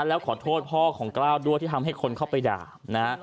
แล้วขอโทษพ่อของกล้าวด้วยที่ทำให้คนเข้าไปด่านะ